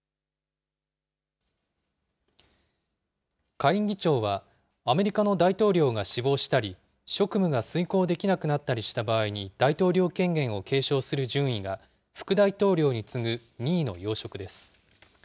下院議長は、アメリカの大統領が死亡したり、職務が遂行できなくなったりした場合に、大統領権限を継承する順位が副大統領に次ぐ２位の要職です。